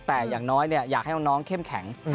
แต่อย่างน้อยอยากให้น้องเข้มแข็ง